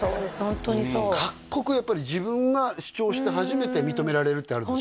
ホントにそう各国やっぱり自分が主張して初めて認められるってあるでしょ